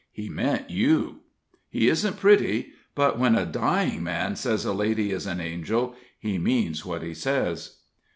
He meant you. He isn't pretty; but, when a dying man says a lady is an angel, he means what he says."